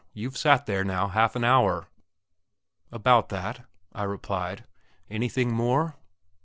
You've sat here now half an hour." "About that," I replied; "anything more?"